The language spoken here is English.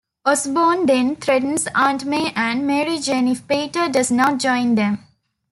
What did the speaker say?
Osborn then threatens Aunt May and Mary Jane if Peter does not join them.